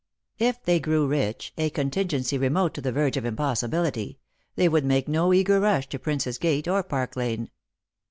If they grew rich — a contingency remote to the verge of impossibility — they would make no eager rush to Prince's gate or Park lane.